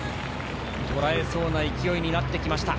とらえそうな勢いになってきました。